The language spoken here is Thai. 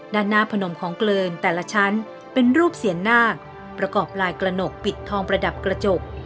ด้านหน้าผนมของเกลินแต่ละชั้นเป็นรูปเสียนนาคประกอบลายกระหนกปิดทองประดับกระจก